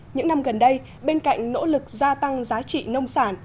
những năm gần đây bên cạnh nỗ lực gia tăng giá trị nông sản